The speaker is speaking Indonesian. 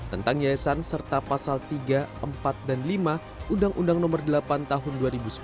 tentang yayasan serta pasal tiga empat dan lima undang undang nomor delapan tahun dua ribu sepuluh